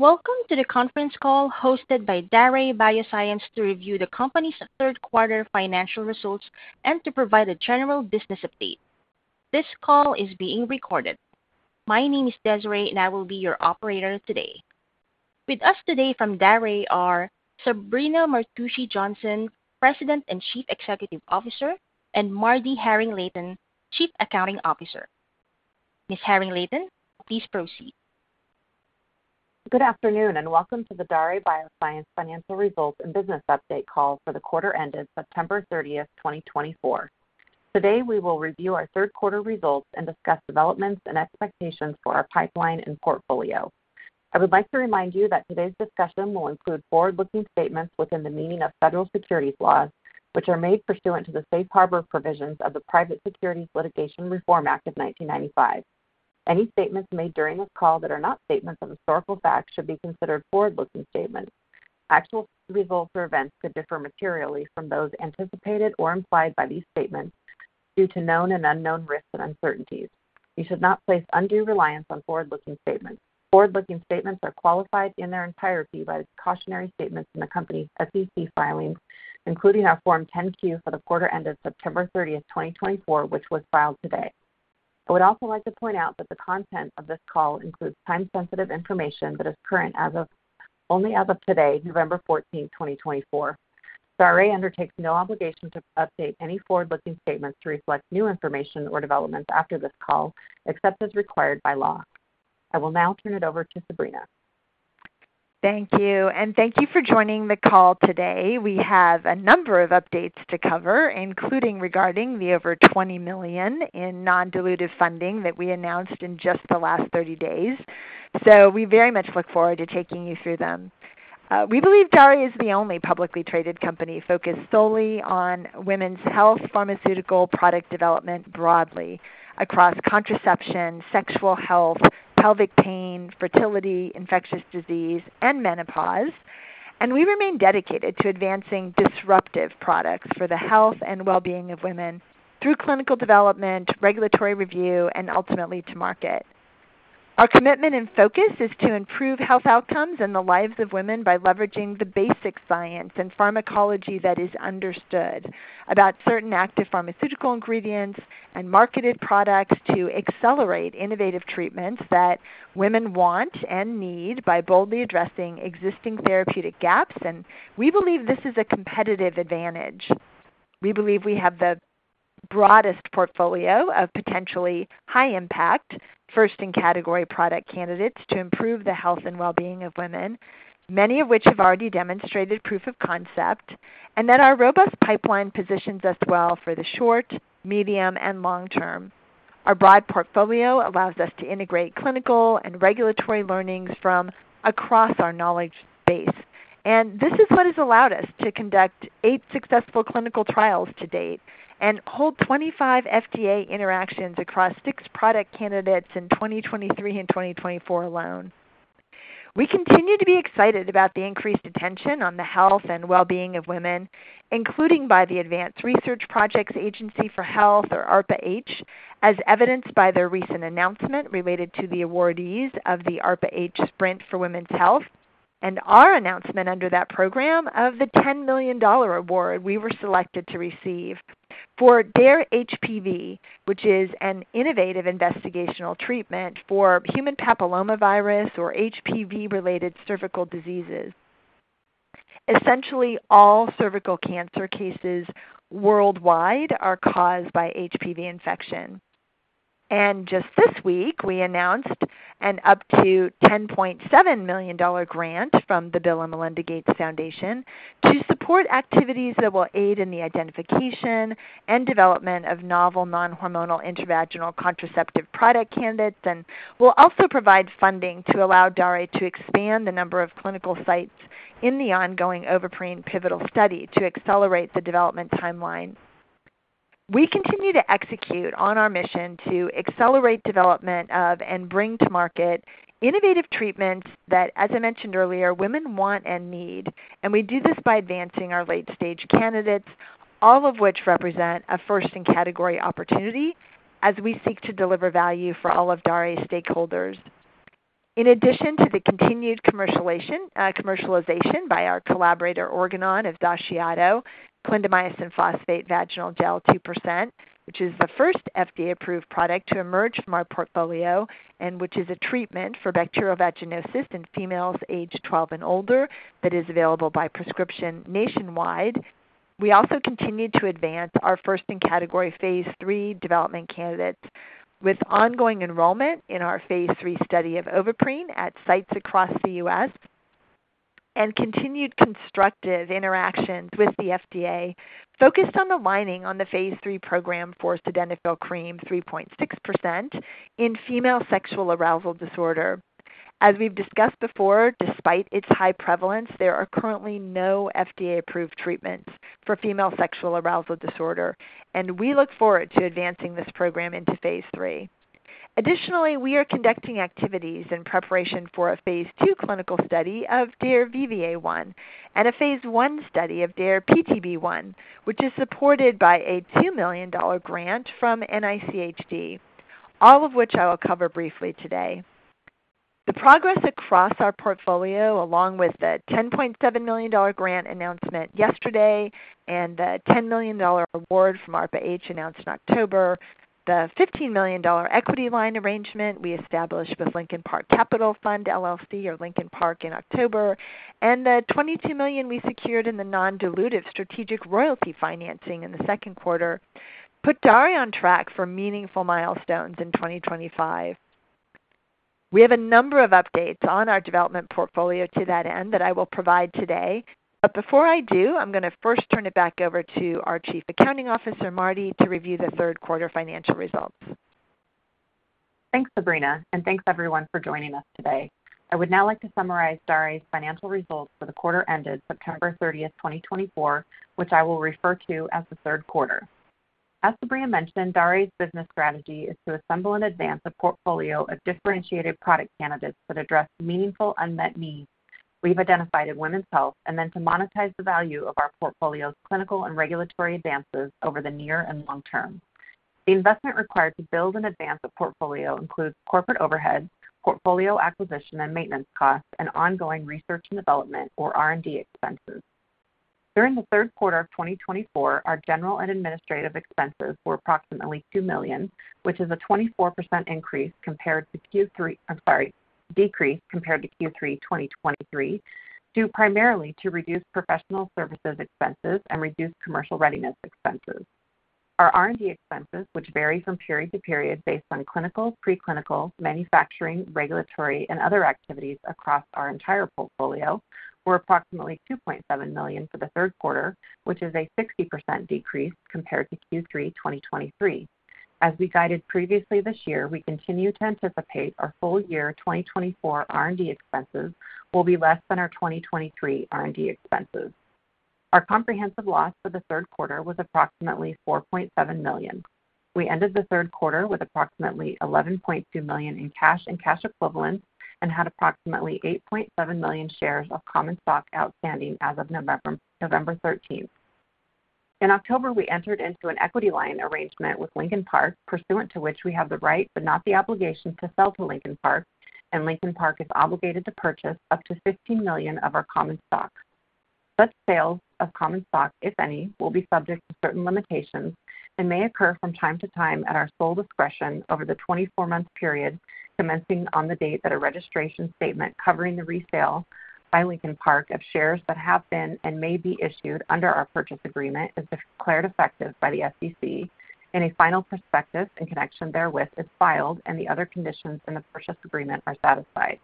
Welcome to the conference call hosted by Daré Bioscience to review the company's third-quarter financial results and to provide a general business update. This call is being recorded. My name is Desiree, and I will be your operator today. With us today from Daré are Sabrina Martucci Johnson, President and Chief Executive Officer, and MarDee Haring-Layton, Chief Accounting Officer. Ms. Haring-Layton, please proceed. Good afternoon, and welcome to the Daré Bioscience Financial Results and Business Update call for the quarter ended September 30th, 2024. Today, we will review our third-quarter results and discuss developments and expectations for our pipeline and portfolio. I would like to remind you that today's discussion will include forward-looking statements within the meaning of federal securities laws, which are made pursuant to the safe harbor provisions of the Private Securities Litigation Reform Act of 1995. Any statements made during this call that are not statements of historical facts should be considered forward-looking statements. Actual results or events could differ materially from those anticipated or implied by these statements due to known and unknown risks and uncertainties. You should not place undue reliance on forward-looking statements. Forward-looking statements are qualified in their entirety by cautionary statements in the company's SEC filings, including our Form 10-Q for the quarter ended September 30th, 2024, which was filed today. I would also like to point out that the content of this call includes time-sensitive information that is current as of only today, November 14th, 2024. Daré undertakes no obligation to update any forward-looking statements to reflect new information or developments after this call, except as required by law. I will now turn it over to Sabrina. Thank you, and thank you for joining the call today. We have a number of updates to cover, including regarding the over $20 million in non-dilutive funding that we announced in just the last 30 days. So we very much look forward to taking you through them. We believe Daré is the only publicly traded company focused solely on women's health, pharmaceutical product development broadly across contraception, sexual health, pelvic pain, fertility, infectious disease, and menopause. And we remain dedicated to advancing disruptive products for the health and well-being of women through clinical development, regulatory review, and ultimately to market. Our commitment and focus is to improve health outcomes and the lives of women by leveraging the basic science and pharmacology that is understood about certain active pharmaceutical ingredients and marketed products to accelerate innovative treatments that women want and need by boldly addressing existing therapeutic gaps. We believe this is a competitive advantage. We believe we have the broadest portfolio of potentially high-impact, first-in-category product candidates to improve the health and well-being of women, many of which have already demonstrated proof of concept, and that our robust pipeline positions us well for the short, medium, and long term. Our broad portfolio allows us to integrate clinical and regulatory learnings from across our knowledge base. This is what has allowed us to conduct eight successful clinical trials to date and hold 25 FDA interactions across six product candidates in 2023 and 2024 alone. We continue to be excited about the increased attention on the health and well-being of women, including by the Advanced Research Projects Agency for Health, or ARPA-H, as evidenced by their recent announcement related to the awardees of the ARPA-H Sprint for Women's Health and our announcement under that program of the $10 million award we were selected to receive for DARE-HPV, which is an innovative investigational treatment for human papillomavirus or HPV-related cervical diseases. Essentially, all cervical cancer cases worldwide are caused by HPV infection, and just this week, we announced an up to $10.7 million grant from the Bill & Melinda Gates Foundation to support activities that will aid in the identification and development of novel non-hormonal intravaginal contraceptive product candidates and will also provide funding to allow Daré to expand the number of clinical sites in the ongoing Ovaprene pivotal study to accelerate the development timeline. We continue to execute on our mission to accelerate development of and bring to market innovative treatments that, as I mentioned earlier, women want and need, and we do this by advancing our late-stage candidates, all of which represent a first-in-category opportunity as we seek to deliver value for all of Daré's stakeholders. In addition to the continued commercialization by our collaborator, Organon, of Xaciato, clindamycin phosphate vaginal gel 2%, which is the first FDA-approved product to emerge from our portfolio and which is a treatment for bacterial vaginosis in females age 12 and older that is available by prescription nationwide. We also continue to advance our first-in-category phase III development candidates with ongoing enrollment in our phase III study of Ovaprene at sites across the U.S. And continued constructive interactions with the FDA focused on aligning on the phase III program for sildenafil cream, 3.6% in female sexual arousal disorder. As we've discussed before, despite its high prevalence, there are currently no FDA-approved treatments for female sexual arousal disorder, and we look forward to advancing this program into phase III. Additionally, we are conducting activities in preparation for a phase II clinical study of DARE-VVA1 and a phase I study of DARE-PTB1, which is supported by a $2 million grant from NICHD, all of which I will cover briefly today. The progress across our portfolio, along with the $10.7 million grant announcement yesterday and the $10 million award from ARPA-H announced in October, the $15 million equity line arrangement we established with Lincoln Park Capital Fund LLC, or Lincoln Park, in October, and the $22 million we secured in the non-dilutive strategic royalty financing in the second quarter put Daré on track for meaningful milestones in 2025. We have a number of updates on our development portfolio to that end that I will provide today. But before I do, I'm going to first turn it back over to our Chief Accounting Officer, MarDee, to review the third-quarter financial results. Thanks, Sabrina, and thanks, everyone, for joining us today. I would now like to summarize Daré's financial results for the quarter ended September 30th, 2024, which I will refer to as the third quarter. As Sabrina mentioned, Daré's business strategy is to assemble in advance a portfolio of differentiated product candidates that address meaningful unmet needs we've identified in women's health and then to monetize the value of our portfolio's clinical and regulatory advances over the near and long term. The investment required to build in advance a portfolio includes corporate overhead, portfolio acquisition and maintenance costs, and ongoing research and development, or R&D, expenses. During the third quarter of 2024, our general and administrative expenses were approximately $2 million, which is a 24% increase compared to Q3, I'm sorry, decrease compared to Q3 2023, due primarily to reduced professional services expenses and reduced commercial readiness expenses. Our R&D expenses, which vary from period to period based on clinical, preclinical, manufacturing, regulatory, and other activities across our entire portfolio, were approximately $2.7 million for the third quarter, which is a 60% decrease compared to Q3 2023. As we guided previously this year, we continue to anticipate our full year 2024 R&D expenses will be less than our 2023 R&D expenses. Our comprehensive loss for the third quarter was approximately $4.7 million. We ended the third quarter with approximately $11.2 million in cash and cash equivalents and had approximately 8.7 million shares of common stock outstanding as of November 13th. In October, we entered into an equity line arrangement with Lincoln Park, pursuant to which we have the right but not the obligation to sell to Lincoln Park, and Lincoln Park is obligated to purchase up to $15 million of our common stock. Such sales of common stock, if any, will be subject to certain limitations and may occur from time to time at our sole discretion over the 24-month period commencing on the date that a registration statement covering the resale by Lincoln Park of shares that have been and may be issued under our purchase agreement is declared effective by the SEC, and a final prospectus in connection therewith is filed and the other conditions in the purchase agreement are satisfied.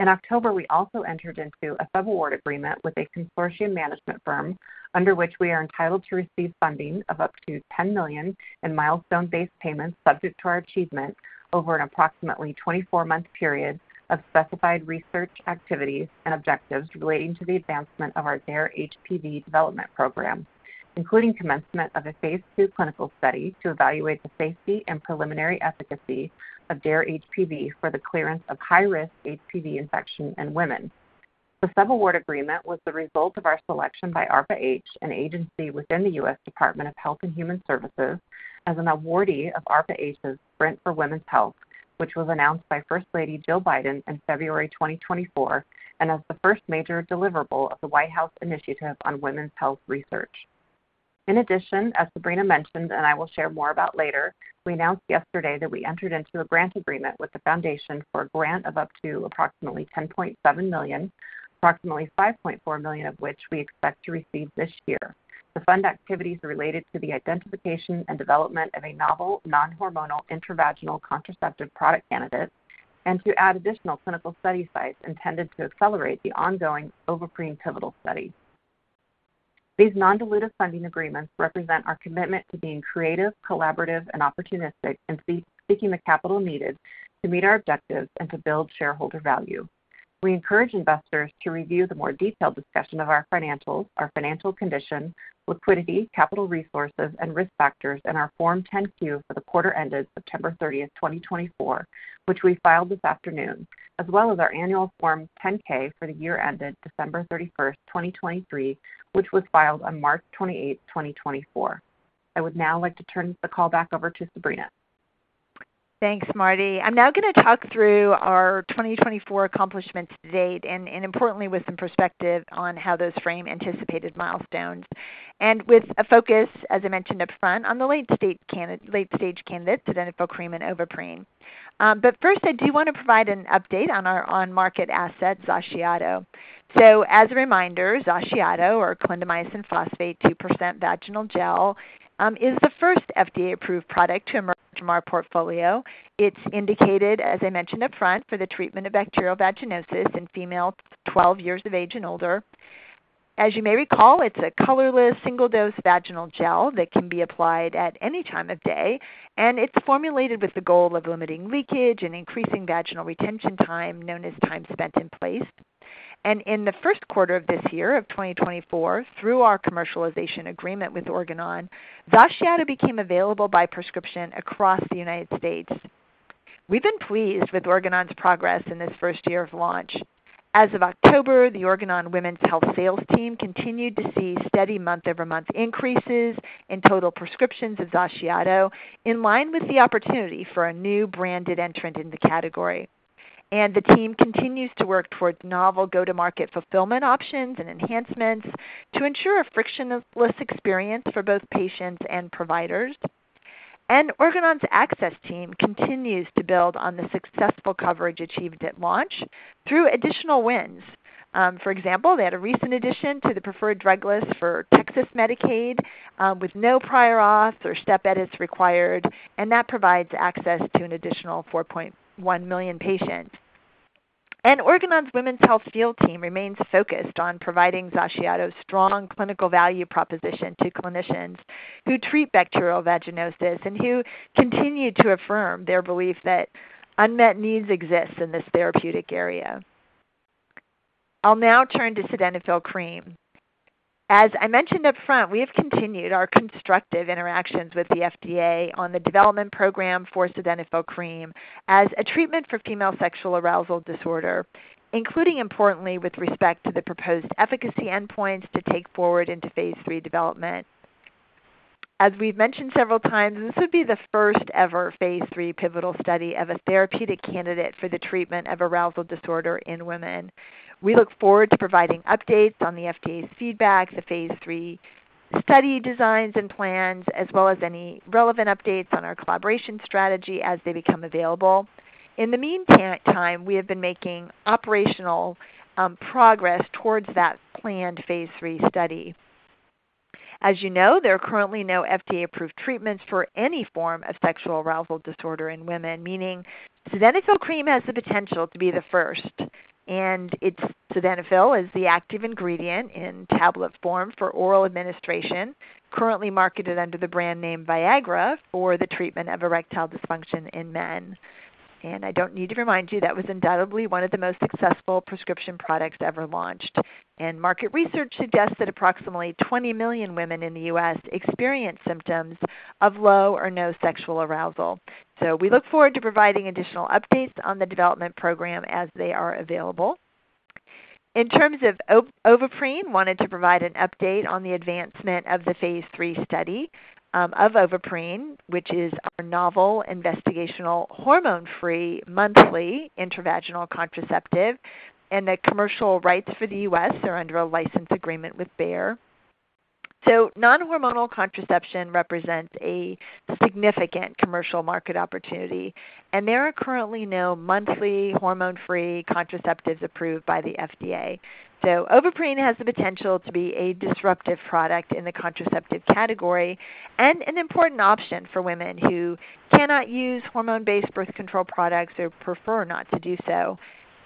In October, we also entered into a sub-award agreement with a consortium management firm under which we are entitled to receive funding of up to $10 million in milestone-based payments subject to our achievement over an approximately 24-month period of specified research activities and objectives relating to the advancement of our DARE-HPV development program, including commencement of a phase II clinical study to evaluate the safety and preliminary efficacy of DARE-HPV for the clearance of high-risk HPV infection in women. The sub-award agreement was the result of our selection by ARPA-H, an agency within the U.S. Department of Health and Human Services, as an awardee of ARPA-H's Sprint for Women's Health, which was announced by First Lady Jill Biden in February 2024 and as the first major deliverable of the White House Initiative on Women's Health Research. In addition, as Sabrina mentioned and I will share more about later, we announced yesterday that we entered into a grant agreement with the foundation for a grant of up to approximately $10.7 million, approximately $5.4 million of which we expect to receive this year. The funded activities are related to the identification and development of a novel non-hormonal intravaginal contraceptive product candidate and to add additional clinical study sites intended to accelerate the ongoing Ovaprene pivotal study. These non-dilutive funding agreements represent our commitment to being creative, collaborative, and opportunistic in seeking the capital needed to meet our objectives and to build shareholder value. We encourage investors to review the more detailed discussion of our financials, our financial condition, liquidity, capital resources, and risk factors in our Form 10-Q for the quarter ended September 30th, 2024, which we filed this afternoon, as well as our annual Form 10-K for the year ended December 31st, 2023, which was filed on March 28th, 2024. I would now like to turn the call back over to Sabrina. Thanks, MarDee. I'm now going to talk through our 2024 accomplishments to date and, importantly, with some perspective on how those frame anticipated milestones and with a focus, as I mentioned upfront, on the late-stage candidates, sildenafil cream and Ovaprene. But first, I do want to provide an update on our on-market asset, Xaciato. So, as a reminder, Xaciato, or clindamycin phosphate 2% vaginal gel, is the first FDA-approved product to emerge from our portfolio. It's indicated, as I mentioned upfront, for the treatment of bacterial vaginosis in females 12 years of age and older. As you may recall, it's a colorless single-dose vaginal gel that can be applied at any time of day, and it's formulated with the goal of limiting leakage and increasing vaginal retention time, known as time spent in place. In the first quarter of this year of 2024, through our commercialization agreement with Organon, Xaciato became available by prescription across the United States. We've been pleased with Organon's progress in this first year of launch. As of October, the Organon Women's Health sales team continued to see steady month-over-month increases in total prescriptions of Xaciato, in line with the opportunity for a new branded entrant in the category. And the team continues to work towards novel go-to-market fulfillment options and enhancements to ensure a frictionless experience for both patients and providers. And Organon's access team continues to build on the successful coverage achieved at launch through additional wins. For example, they had a recent addition to the preferred drug list for Texas Medicaid with no prior auth or step edits required, and that provides access to an additional 4.1 million patients. Organon's Women's Health field team remains focused on providing Xaciato's strong clinical value proposition to clinicians who treat bacterial vaginosis and who continue to affirm their belief that unmet needs exist in this therapeutic area. I'll now turn to sildenafil cream. As I mentioned upfront, we have continued our constructive interactions with the FDA on the development program for sildenafil cream as a treatment for female sexual arousal disorder, including, importantly, with respect to the proposed efficacy endpoints to take forward into phase III development. As we've mentioned several times, this would be the first-ever phase III pivotal study of a therapeutic candidate for the treatment of arousal disorder in women. We look forward to providing updates on the FDA's feedback, the phase III study designs and plans, as well as any relevant updates on our collaboration strategy as they become available. In the meantime, we have been making operational progress towards that planned phase III study. As you know, there are currently no FDA-approved treatments for any form of sexual arousal disorder in women, meaning sildenafil cream has the potential to be the first, and it's sildenafil as the active ingredient in tablet form for oral administration, currently marketed under the brand name Viagra for the treatment of erectile dysfunction in men, and I don't need to remind you that was undoubtedly one of the most successful prescription products ever launched, and market research suggests that approximately 20 million women in the U.S. experience symptoms of low or no sexual arousal, so we look forward to providing additional updates on the development program as they are available. In terms of Ovaprene, I wanted to provide an update on the advancement of the phase III study of Ovaprene, which is our novel investigational hormone-free monthly intravaginal contraceptive, and the commercial rights for the U.S. are under a license agreement with Bayer. So non-hormonal contraception represents a significant commercial market opportunity, and there are currently no monthly hormone-free contraceptives approved by the FDA. So Ovaprene has the potential to be a disruptive product in the contraceptive category and an important option for women who cannot use hormone-based birth control products or prefer not to do so.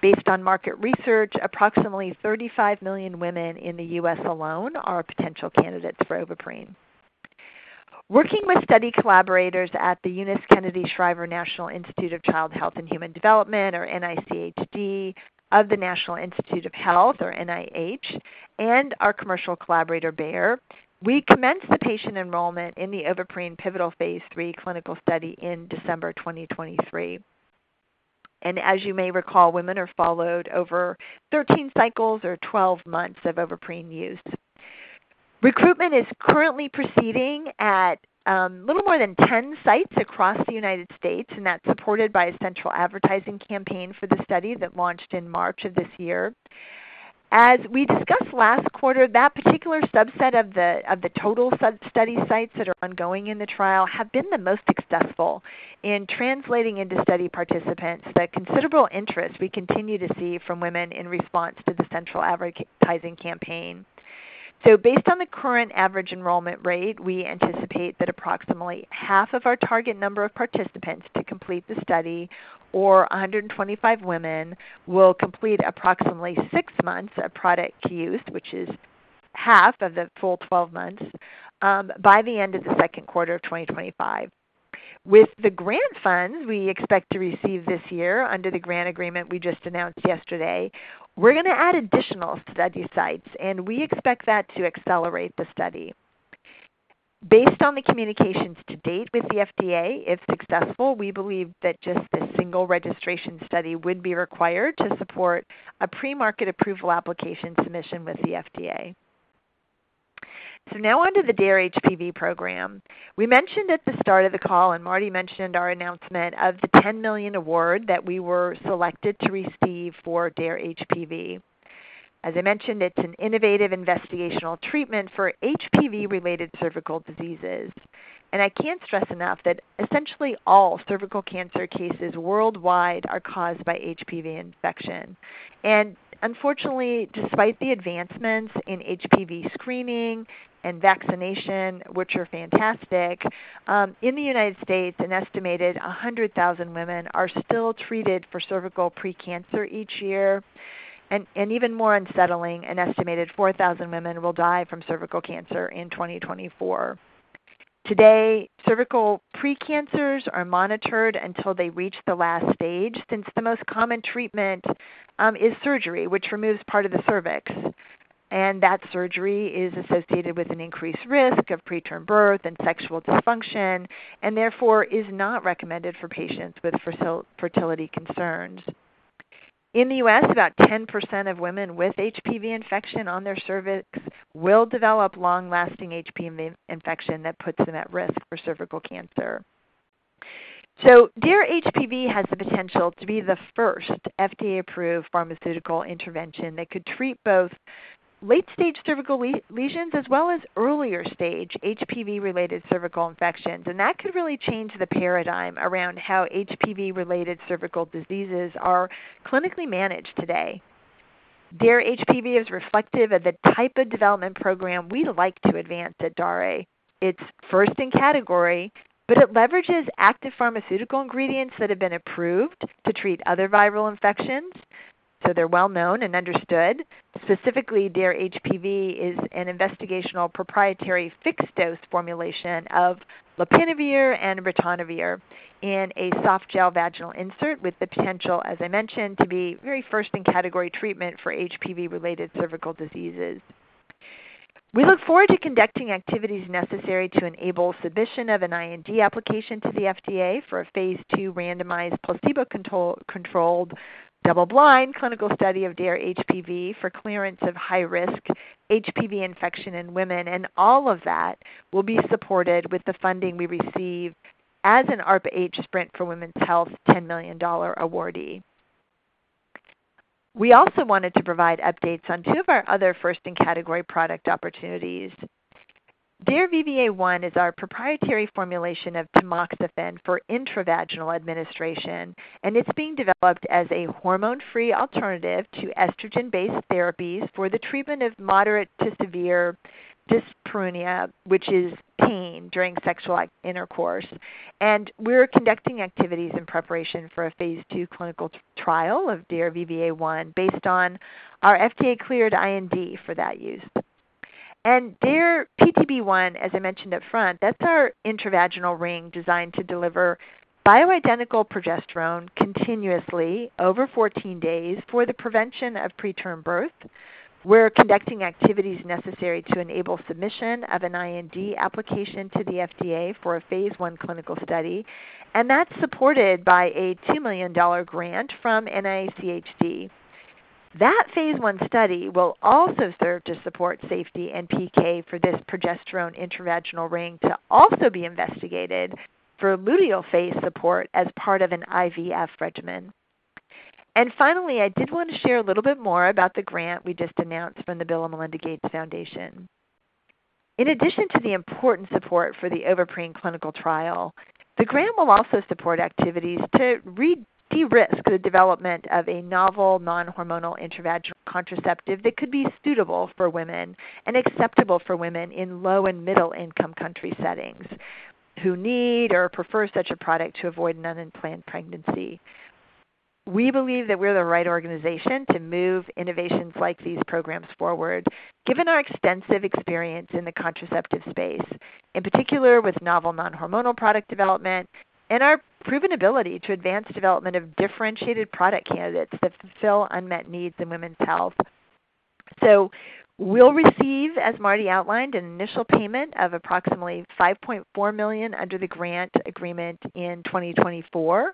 Based on market research, approximately 35 million women in the U.S. alone are potential candidates for Ovaprene. Working with study collaborators at the Eunice Kennedy Shriver National Institute of Child Health and Human Development, or NICHD, of the National Institutes of Health, or NIH, and our commercial collaborator, Bayer, we commenced the patient enrollment in the Ovaprene pivotal phase III clinical study in December 2023, and as you may recall, women are followed over 13 cycles or 12 months of Ovaprene use. Recruitment is currently proceeding at a little more than 10 sites across the United States, and that's supported by a central advertising campaign for the study that launched in March of this year. As we discussed last quarter, that particular subset of the total study sites that are ongoing in the trial have been the most successful in translating into study participants the considerable interest we continue to see from women in response to the central advertising campaign. Based on the current average enrollment rate, we anticipate that approximately half of our target number of participants to complete the study, or 125 women, will complete approximately six months of product use, which is half of the full 12 months, by the end of the second quarter of 2025. With the grant funds we expect to receive this year under the grant agreement we just announced yesterday, we're going to add additional study sites, and we expect that to accelerate the study. Based on the communications to date with the FDA, if successful, we believe that just a single registration study would be required to support a premarket approval application submission with the FDA. Now onto the DARE-HPV program. We mentioned at the start of the call, and MarDee mentioned our announcement of the $10 million award that we were selected to receive for DARE-HPV. As I mentioned, it's an innovative investigational treatment for HPV-related cervical diseases. And I can't stress enough that essentially all cervical cancer cases worldwide are caused by HPV infection. And unfortunately, despite the advancements in HPV screening and vaccination, which are fantastic, in the United States, an estimated 100,000 women are still treated for cervical precancer each year. And even more unsettling, an estimated 4,000 women will die from cervical cancer in 2024. Today, cervical precancers are monitored until they reach the last stage since the most common treatment is surgery, which removes part of the cervix. And that surgery is associated with an increased risk of preterm birth and sexual dysfunction and therefore is not recommended for patients with fertility concerns. In the U.S., about 10% of women with HPV infection on their cervix will develop long-lasting HPV infection that puts them at risk for cervical cancer. DARE-HPV has the potential to be the first FDA-approved pharmaceutical intervention that could treat both late-stage cervical lesions as well as earlier-stage HPV-related cervical infections. That could really change the paradigm around how HPV-related cervical diseases are clinically managed today. DARE-HPV is reflective of the type of development program we'd like to advance at Daré. It's first in category, but it leverages active pharmaceutical ingredients that have been approved to treat other viral infections. They're well-known and understood. Specifically, DARE-HPV is an investigational proprietary fixed-dose formulation of lopinavir and ritonavir in a soft gel vaginal insert with the potential, as I mentioned, to be very first-in-category treatment for HPV-related cervical diseases. We look forward to conducting activities necessary to enable submission of an IND application to the FDA for a phase II randomized placebo-controlled double-blind clinical study of DARE-HPV for clearance of high-risk HPV infection in women, and all of that will be supported with the funding we receive as an ARPA-H Sprint for Women's Health $10 million awardee. We also wanted to provide updates on two of our other first-in-category product opportunities. DARE-VVA1 is our proprietary formulation of tamoxifen for intravaginal administration, and it's being developed as a hormone-free alternative to estrogen-based therapies for the treatment of moderate to severe dyspareunia, which is pain during sexual intercourse, and we're conducting activities in preparation for a phase II clinical trial of DARE-VVA1 based on our FDA-cleared IND for that use. And DARE-PTB1, as I mentioned upfront, that's our intravaginal ring designed to deliver bioidentical progesterone continuously over 14 days for the prevention of preterm birth. We're conducting activities necessary to enable submission of an IND application to the FDA for a phase I clinical study, and that's supported by a $2 million grant from NICHD. That phase I study will also serve to support safety and PK for this progesterone intravaginal ring to also be investigated for luteal phase support as part of an IVF regimen. And finally, I did want to share a little bit more about the grant we just announced from the Bill & Melinda Gates Foundation. In addition to the important support for the Ovaprene clinical trial, the grant will also support activities to de-risk the development of a novel non-hormonal intravaginal contraceptive that could be suitable for women and acceptable for women in low and middle-income country settings who need or prefer such a product to avoid an unplanned pregnancy. We believe that we're the right organization to move innovations like these programs forward, given our extensive experience in the contraceptive space, in particular with novel non-hormonal product development and our proven ability to advance development of differentiated product candidates that fulfill unmet needs in women's health, so we'll receive, as MarDee outlined, an initial payment of approximately $5.4 million under the grant agreement in 2024.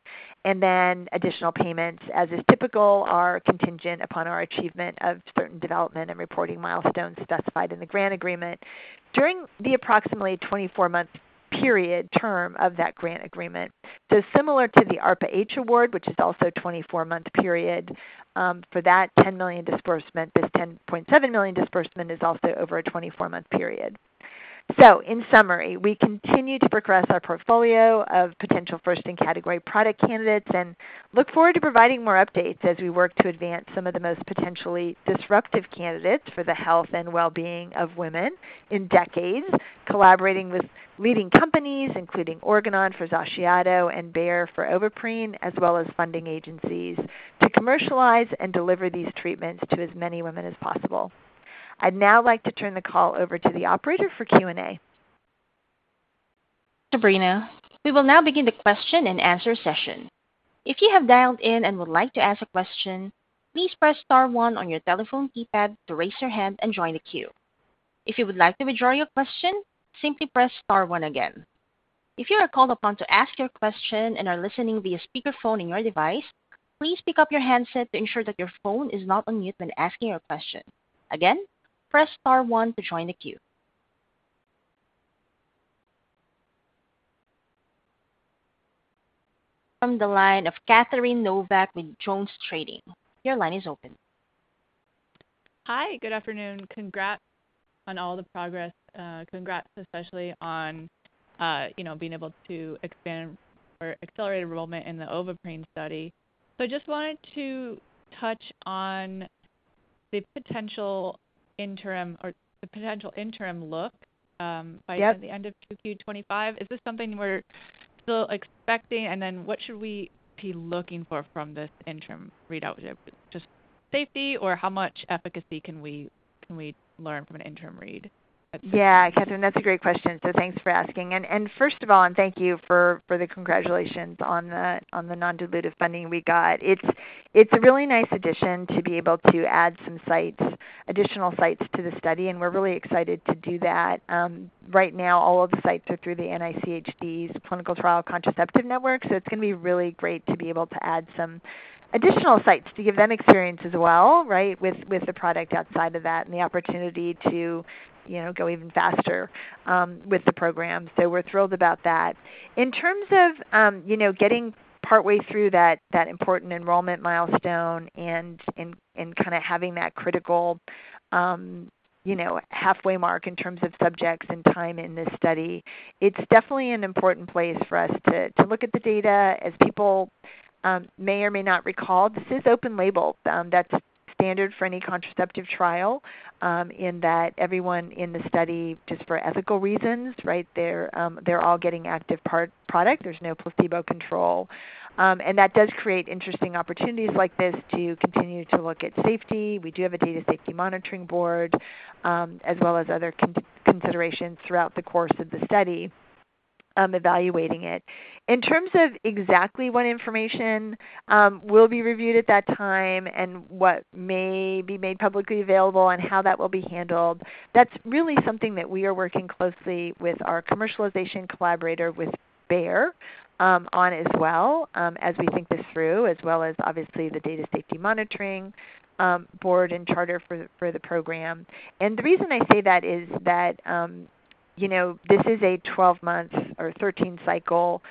Then additional payments, as is typical, are contingent upon our achievement of certain development and reporting milestones specified in the grant agreement during the approximately 24-month period term of that grant agreement. Similar to the ARPA-H award, which is also a 24-month period for that $10 million disbursement, this $10.7 million disbursement is also over a 24-month period. In summary, we continue to progress our portfolio of potential first-in-category product candidates and look forward to providing more updates as we work to advance some of the most potentially disruptive candidates for the health and well-being of women in decades, collaborating with leading companies, including Organon for Xaciato and Bayer for Ovaprene, as well as funding agencies to commercialize and deliver these treatments to as many women as possible. I'd now like to turn the call over to the operator for Q&A. Sabrina, we will now begin the question and answer session. If you have dialed in and would like to ask a question, please press Star one on your telephone keypad to raise your hand and join the queue. If you would like to withdraw your question, simply press Star one again. If you are called upon to ask your question and are listening via speakerphone in your device, please pick up your handset to ensure that your phone is not on mute when asking your question. Again, press Star one to join the queue. From the line of Catherine Novack with JonesTrading, your line is open. Hi, good afternoon. Congrats on all the progress. Congrats especially on being able to expand or accelerate enrollment in the Ovaprene study. So I just wanted to touch on the potential interim or the potential interim look by the end of Q25. Is this something we're still expecting? And then what should we be looking for from this interim read? Just safety or how much efficacy can we learn from an interim read? Yeah, Catherine, that's a great question. So thanks for asking. And first of all, thank you for the congratulations on the non-dilutive funding we got. It's a really nice addition to be able to add some sites, additional sites to the study. And we're really excited to do that. Right now, all of the sites are through the NICHD's Contraceptive Clinical Trial Network. So it's going to be really great to be able to add some additional sites to give them experience as well, right, with the product outside of that and the opportunity to go even faster with the program. So we're thrilled about that. In terms of getting partway through that important enrollment milestone and kind of having that critical halfway mark in terms of subjects and time in this study, it's definitely an important place for us to look at the data. As people may or may not recall, this is open label. That's standard for any contraceptive trial in that everyone in the study, just for ethical reasons, right, they're all getting active product. There's no placebo control, and that does create interesting opportunities like this to continue to look at safety. We do have a Data and Safety Monitoring Board as well as other considerations throughout the course of the study evaluating it. In terms of exactly what information will be reviewed at that time and what may be made publicly available and how that will be handled, that's really something that we are working closely with our commercialization collaborator with Bayer on as well as we think this through, as well as obviously the Data and Safety Monitoring Board and charter for the program, and the reason I say that is that this is a 12-month or 13-cycle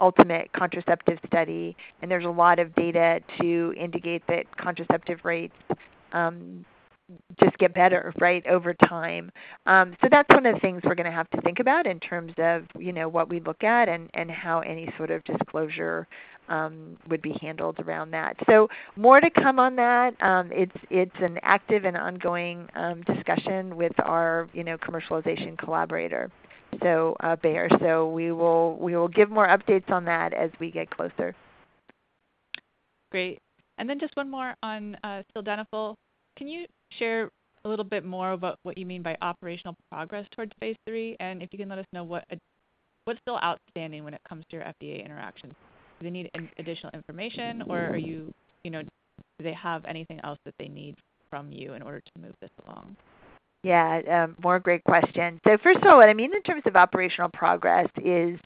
ultimate contraceptive study, and there's a lot of data to indicate that contraceptive rates just get better, right, over time, so that's one of the things we're going to have to think about in terms of what we look at and how any sort of disclosure would be handled around that, so more to come on that. It's an active and ongoing discussion with our commercialization collaborator, so Bayer. So we will give more updates on that as we get closer. Great. And then just one more on sildenafil. Can you share a little bit more about what you mean by operational progress towards phase III? And if you can let us know what's still outstanding when it comes to your FDA interactions. Do they need additional information, or do they have anything else that they need from you in order to move this along? Yeah, great question. So first of all, what I mean in terms of operational progress is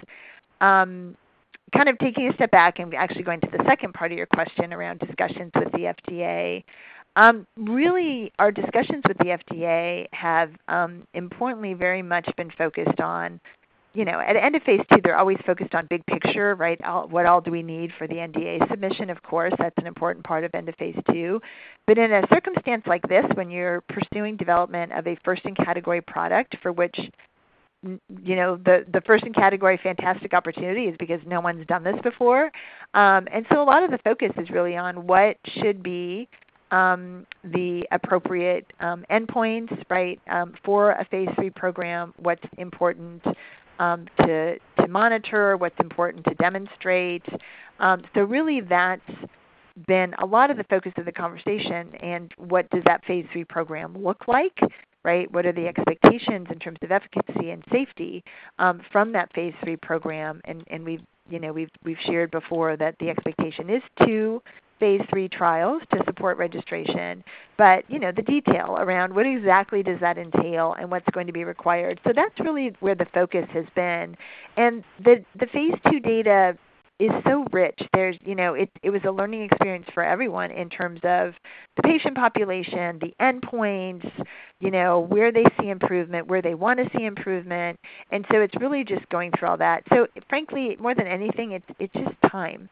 kind of taking a step back and actually going to the second part of your question around discussions with the FDA. Really, our discussions with the FDA have importantly very much been focused on, at the end of phase II, they're always focused on big picture, right? What all do we need for the NDA submission? Of course, that's an important part of end of phase II, but in a circumstance like this, when you're pursuing development of a first-in-category product for which the first-in-category fantastic opportunity is because no one's done this before, and so a lot of the focus is really on what should be the appropriate endpoints, right, for a phase III program, what's important to monitor, what's important to demonstrate, so really, that's been a lot of the focus of the conversation, and what does that phase III program look like, right? What are the expectations in terms of efficacy and safety from that phase III program? And we've shared before that the expectation is two phase III trials to support registration, but the detail around what exactly does that entail and what's going to be required, so that's really where the focus has been. And the phase II data is so rich. It was a learning experience for everyone in terms of the patient population, the endpoints, where they see improvement, where they want to see improvement. And so it's really just going through all that. So frankly, more than anything, it's just time.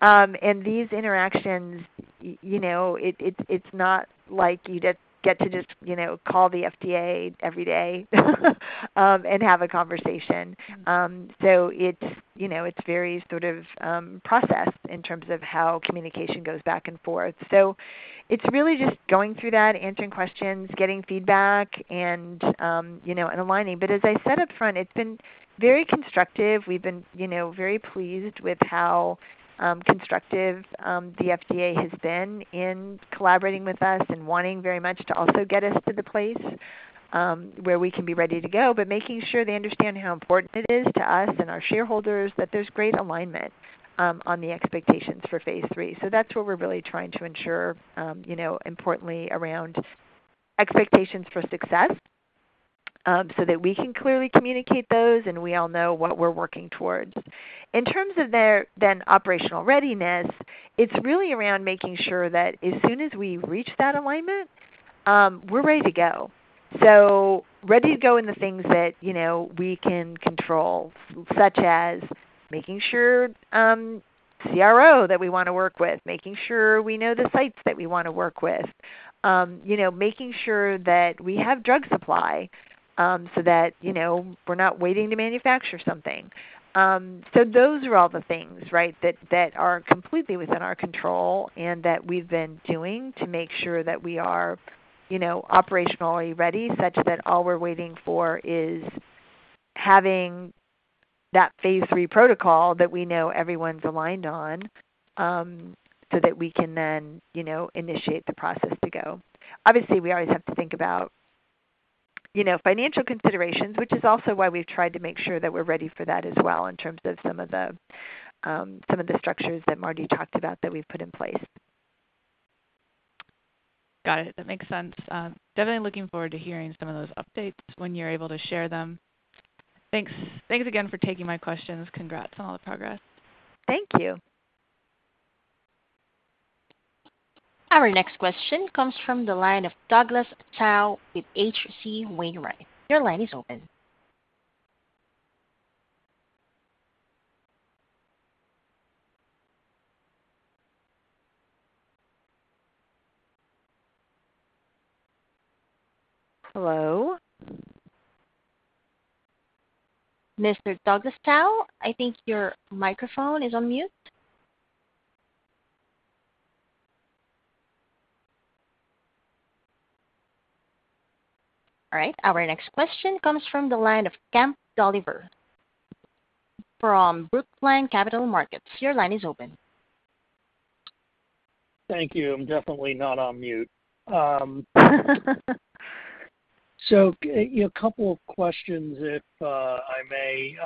And these interactions, it's not like you get to just call the FDA every day and have a conversation. So it's very sort of processed in terms of how communication goes back and forth. So it's really just going through that, answering questions, getting feedback, and aligning. But as I said upfront, it's been very constructive. We've been very pleased with how constructive the FDA has been in collaborating with us and wanting very much to also get us to the place where we can be ready to go, but making sure they understand how important it is to us and our shareholders that there's great alignment on the expectations for phase III. So that's what we're really trying to ensure importantly around expectations for success so that we can clearly communicate those and we all know what we're working towards. In terms of then operational readiness, it's really around making sure that as soon as we reach that alignment, we're ready to go. So, ready to go in the things that we can control, such as making sure CRO that we want to work with, making sure we know the sites that we want to work with, making sure that we have drug supply so that we're not waiting to manufacture something. So those are all the things, right, that are completely within our control and that we've been doing to make sure that we are operationally ready such that all we're waiting for is having that phase III protocol that we know everyone's aligned on so that we can then initiate the process to go. Obviously, we always have to think about financial considerations, which is also why we've tried to make sure that we're ready for that as well in terms of some of the structures that MarDee talked about that we've put in place. Got it. That makes sense. Definitely looking forward to hearing some of those updates when you're able to share them. Thanks again for taking my questions. Congrats on all the progress. Thank you. Our next question comes from the line of Douglas Tsao with H.C. Wainwright & Co. Your line is open. Hello. Mr. Douglas Tsao, I think your microphone is on mute. All right. Our next question comes from the line of Kemp Dolliver from Brookline Capital Markets. Your line is open. Thank you. I'm definitely not on mute. So a couple of questions, if I may.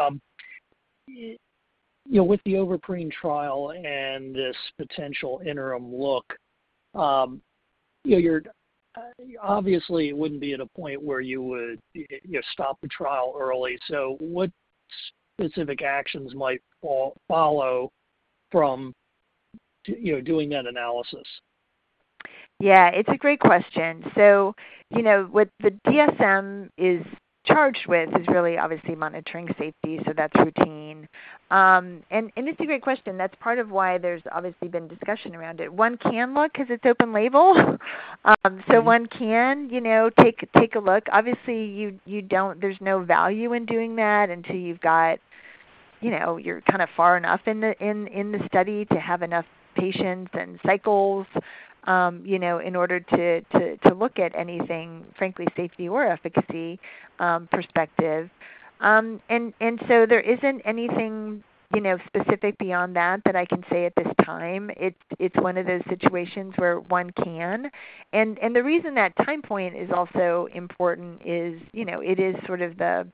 With the Ovaprene trial and this potential interim look, obviously, it wouldn't be at a point where you would stop the trial early. So what specific actions might follow from doing that analysis? Yeah, it's a great question. So what the DSMB is charged with is really obviously monitoring safety. So that's routine. And it's a great question. That's part of why there's obviously been discussion around it. One can look because it's open label. So one can take a look. Obviously, there's no value in doing that until you've got, you're kind of far enough in the study to have enough patients and cycles in order to look at anything, frankly, safety or efficacy perspective, and so there isn't anything specific beyond that that I can say at this time. It's one of those situations where one can, and the reason that time point is also important is it is sort of the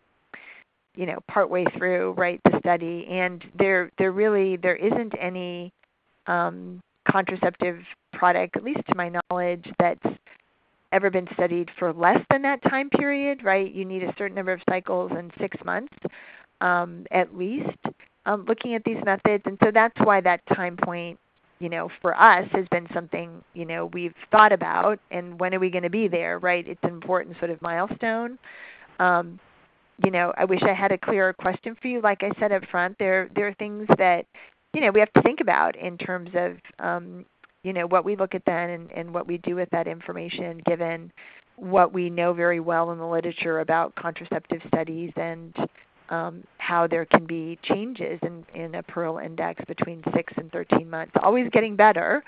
partway through, right, the study, and there really isn't any contraceptive product, at least to my knowledge, that's ever been studied for less than that time period, right? You need a certain number of cycles in six months, at least, looking at these methods. And so that's why that time point for us has been something we've thought about. And when are we going to be there, right? It's an important sort of milestone. I wish I had a clearer question for you. Like I said upfront, there are things that we have to think about in terms of what we look at then and what we do with that information given what we know very well in the literature about contraceptive studies and how there can be changes in a Pearl Index between six and 13 months, always getting better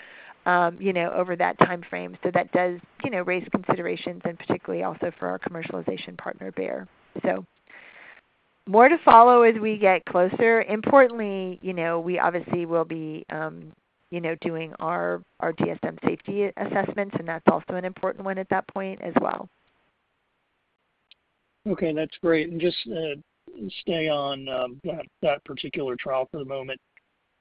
over that time frame. So that does raise considerations and particularly also for our commercialization partner, Bayer. So more to follow as we get closer. Importantly, we obviously will be doing our DSMB safety assessments, and that's also an important one at that point as well. Okay. That's great. And just stay on that particular trial for the moment.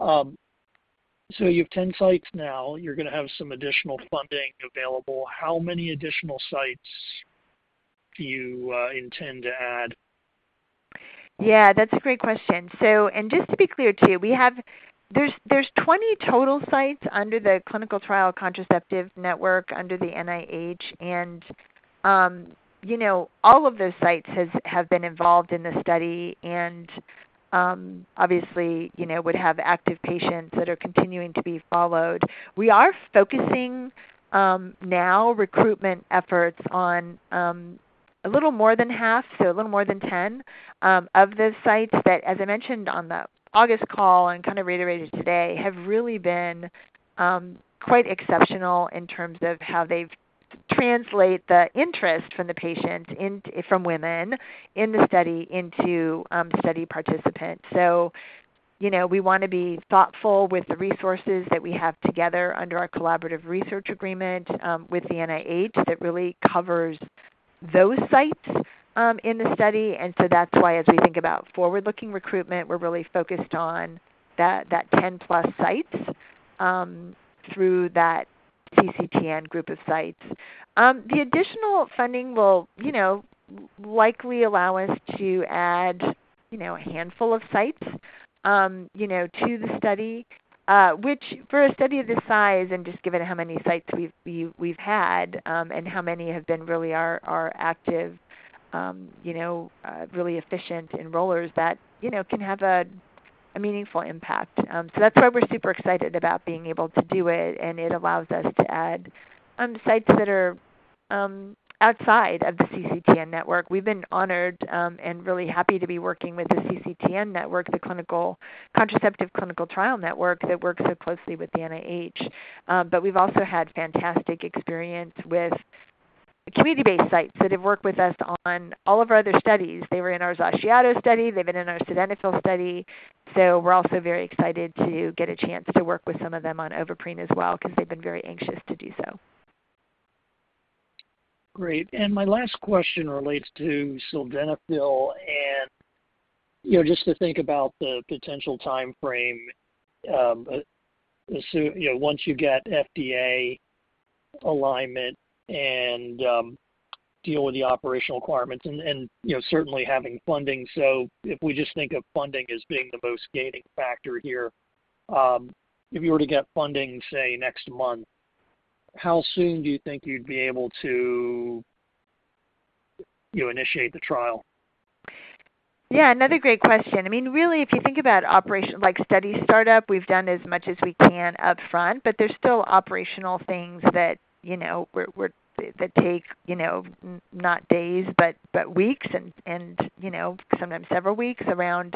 So you have 10 sites now. You are going to have some additional funding available. How many additional sites do you intend to add? Yeah, that is a great question. And just to be clear too, there are 20 total sites under the Contraceptive Clinical Trial Network under the NIH. And all of those sites have been involved in the study and obviously would have active patients that are continuing to be followed. We are focusing now recruitment efforts on a little more than half, so a little more than 10 of the sites that, as I mentioned on the August call and kind of reiterated today, have really been quite exceptional in terms of how they translate the interest from the patients from women in the study into study participants. So we want to be thoughtful with the resources that we have together under our collaborative research agreement with the NIH that really covers those sites in the study. And so that's why as we think about forward-looking recruitment, we're really focused on that 10+ sites through that CCTN group of sites. The additional funding will likely allow us to add a handful of sites to the study, which for a study of this size and just given how many sites we've had and how many have been really our active, really efficient enrollers, that can have a meaningful impact. So that's why we're super excited about being able to do it. And it allows us to add sites that are outside of the CCTN network. We've been honored and really happy to be working with the CCTN network, the Contraceptive Clinical Trial Network that works so closely with the NIH. But we've also had fantastic experience with community-based sites that have worked with us on all of our other studies. They were in our Xaciato study. They've been in our sildenafil study. So we're also very excited to get a chance to work with some of them on Ovaprene as well because they've been very anxious to do so. Great. And my last question relates to filing the NDA. And just to think about the potential time frame once you get FDA alignment and deal with the operational requirements and certainly having funding. So if we just think of funding as being the most gating factor here, if you were to get funding, say, next month, how soon do you think you'd be able to initiate the trial? Yeah, another great question. I mean, really, if you think about operational study startup, we've done as much as we can upfront. But there's still operational things that take not days, but weeks, and sometimes several weeks around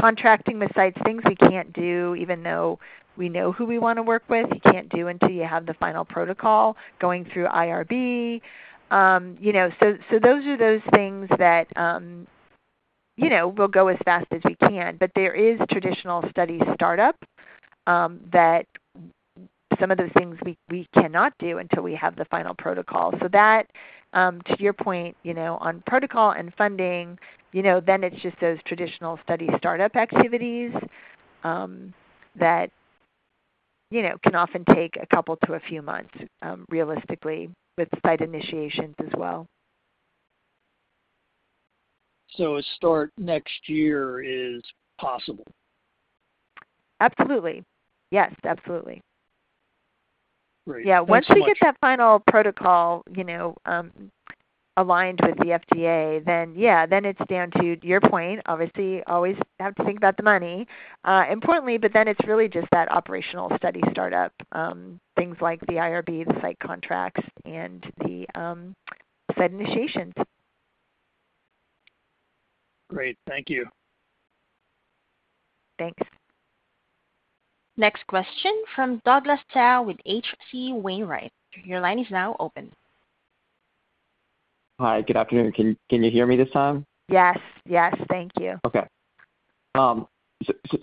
contracting the sites. Things we can't do even though we know who we want to work with. You can't do until you have the final protocol going through IRB. So those are those things that we'll go as fast as we can. But there is traditional study startup that some of the things we cannot do until we have the final protocol. So that, to your point on protocol and funding, then it's just those traditional study startup activities that can often take a couple to a few months realistically with site initiations as well. So a start next year is possible? Absolutely. Yes, absolutely. Yeah. Once we get that final protocol aligned with the FDA, then yeah, then it's down to your point. Obviously, always have to think about the money importantly. But then it's really just that operational study startup, things like the IRB, the site contracts, and the site initiations. Great. Thank you. Thanks. Next question from Douglas Tsao with H.C. Wainwright & Co. Your line is now open. Hi. Good afternoon. Can you hear me this time? Yes. Yes. Thank you. Okay.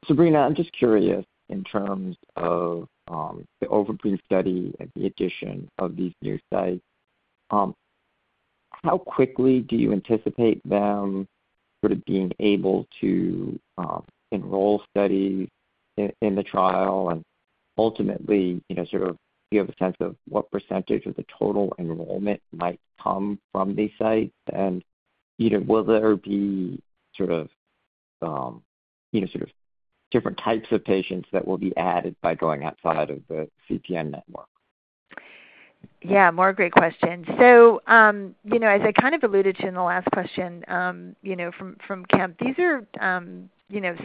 Sabrina, I'm just curious in terms of the Ovaprene study and the addition of these new sites. How quickly do you anticipate them sort of being able to enroll studies in the trial? And ultimately, sort of do you have a sense of what percentage of the total enrollment might come from these sites? And will there be sort of different types of patients that will be added by going outside of the CTN network? Yeah. More great questions. So as I kind of alluded to in the last question from Kemp, these are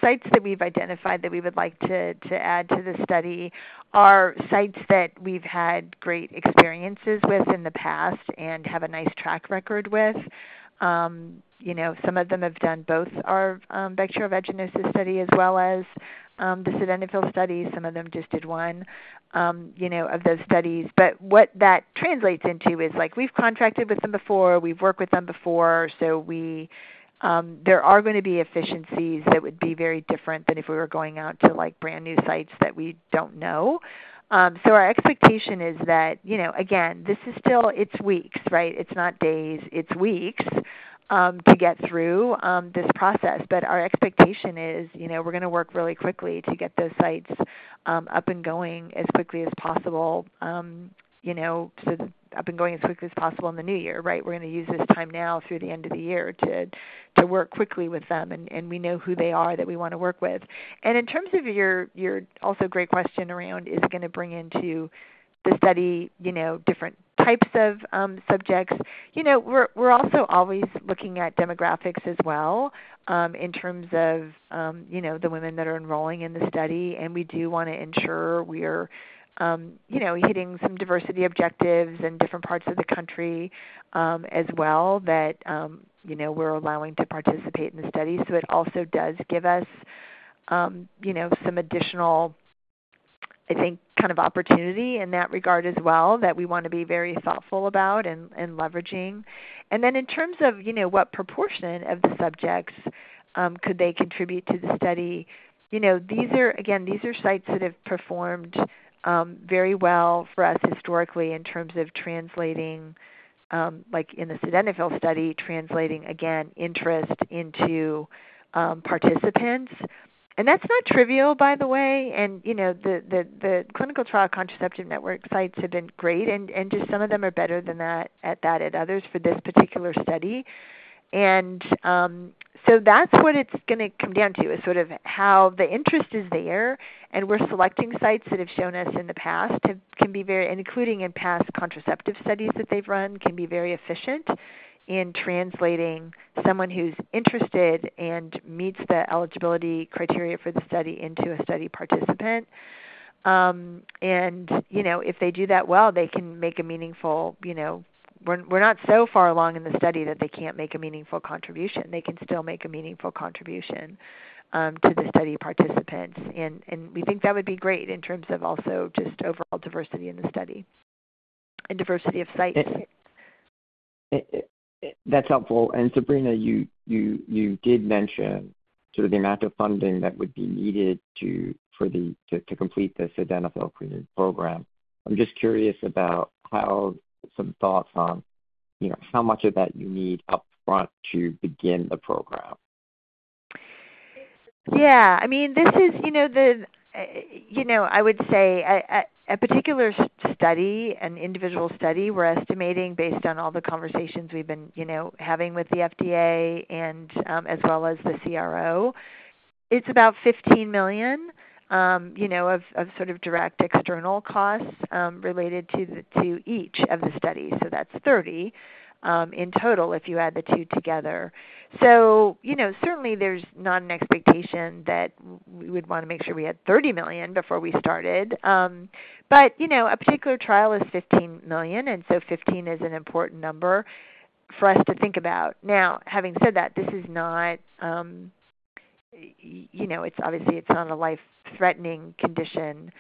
sites that we've identified that we would like to add to the study, are sites that we've had great experiences with in the past and have a nice track record with. Some of them have done both our bacterial vaginosis study as well as the sildenafil study. Some of them just did one of those studies. But what that translates into is we've contracted with them before. We've worked with them before. There are going to be efficiencies that would be very different than if we were going out to brand new sites that we don't know. Our expectation is that, again, this is still it’s weeks, right? It’s not days. It’s weeks to get through this process. Our expectation is we’re going to work really quickly to get those sites up and going as quickly as possible. Up and going as quickly as possible in the new year, right? We’re going to use this time now through the end of the year to work quickly with them. We know who they are that we want to work with. In terms of your also great question around is going to bring into the study different types of subjects. We're also always looking at demographics as well in terms of the women that are enrolling in the study, and we do want to ensure we're hitting some diversity objectives in different parts of the country as well that we're allowing to participate in the study, so it also does give us some additional, I think, kind of opportunity in that regard as well that we want to be very thoughtful about and leveraging, and then in terms of what proportion of the subjects could they contribute to the study, again, these are sites that have performed very well for us historically in terms of translating in the sildenafil study, translating, again, interest into participants, and that's not trivial, by the way, and the Contraceptive Clinical Trial Network sites have been great, and just some of them are better than others at this particular study. And so that's what it's going to come down to, is sort of how the interest is there. And we're selecting sites that have shown us in the past can be very inclusive in past contraceptive studies that they've run, can be very efficient in translating someone who's interested and meets the eligibility criteria for the study into a study participant. And if they do that well, they can make a meaningful contribution. We're not so far along in the study that they can't make a meaningful contribution. They can still make a meaningful contribution to the study participants. And we think that would be great in terms of also just overall diversity in the study and diversity of sites. That's helpful. And Sabrina, you did mention sort of the amount of funding that would be needed to complete the sildenafil program. I'm just curious about some thoughts on how much of that you need upfront to begin the program. Yeah. I mean, this is, I would say, a particular study, an individual study. We're estimating based on all the conversations we've been having with the FDA as well as the CRO. It's about $15 million of sort of direct external costs related to each of the studies. So that's $30 million in total if you add the two together. So certainly, there's not an expectation that we would want to make sure we had $30 million before we started. But a particular trial is $15 million. And so 15 is an important number for us to think about. Now, having said that, this is not, obviously, it's not a life-threatening condition.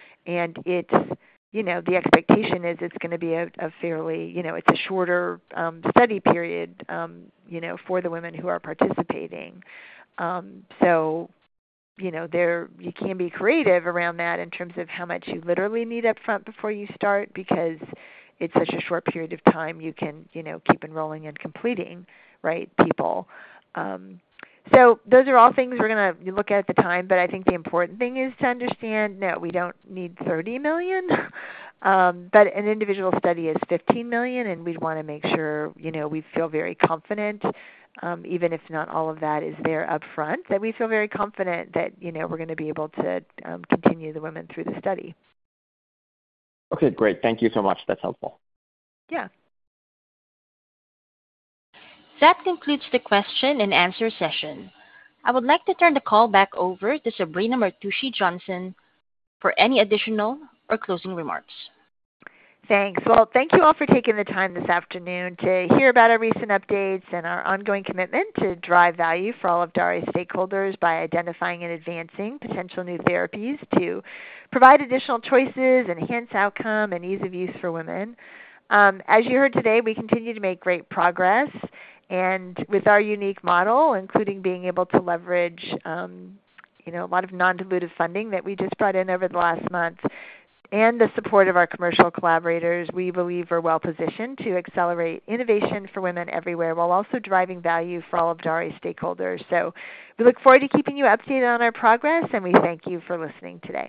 The expectation is it's going to be a fairly short study period for the women who are participating. So you can be creative around that in terms of how much you literally need upfront before you start because it's such a short period of time you can keep enrolling and completing, right, people. So those are all things we're going to look at at the time. I think the important thing is to understand, no, we don't need $30 million. But an individual study is $15 million. And we'd want to make sure we feel very confident, even if not all of that is there upfront, that we feel very confident that we're going to be able to continue the women through the study. Okay. Great. Thank you so much. That's helpful. Yeah. That concludes the question and answer session. I would like to turn the call back over to Sabrina Martucci Johnson for any additional or closing remarks. Thanks. Well, thank you all for taking the time this afternoon to hear about our recent updates and our ongoing commitment to drive value for all of Daré stakeholders by identifying and advancing potential new therapies to provide additional choices, enhance outcome, and ease of use for women. As you heard today, we continue to make great progress. And with our unique model, including being able to leverage a lot of non-dilutive funding that we just brought in over the last month and the support of our commercial collaborators, we believe we're well-positioned to accelerate innovation for women everywhere while also driving value for all of Daré stakeholders. So we look forward to keeping you updated on our progress. And we thank you for listening today.